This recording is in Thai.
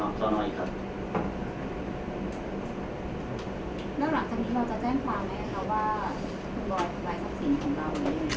เรื่องหลังจากนี้เราจะแจ้งความไหมครับว่าคุณบอยทำลายศักดิ์สินของเรานี่